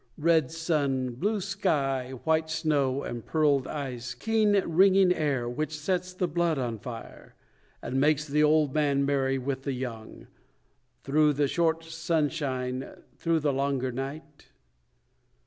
Red sun, blue sky, white snow, and pearled ice, Keen ringing air, which sets the blood on fire, And makes the old man merry with the young, Through the short sunshine, through the longer night?